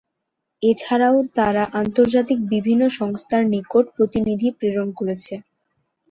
এছাড়াও তারা আন্তর্জাতিক বিভিন্ন সংস্থার নিকট প্রতিনিধি প্রেরণ করেছে।